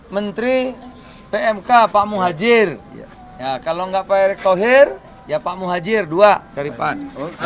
menteri pmk pak muhajir kalau enggak pak erick thohir ya pak muhajir dua dari pan